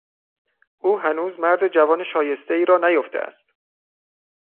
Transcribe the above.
او هنوز مرد جوان شایستهای را نیافته است.